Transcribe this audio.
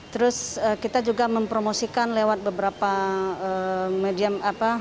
terus kita juga mempromosikan lewat beberapa medium apa